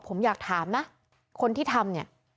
ผมอยากถามนะคนที่ทำเนี่ย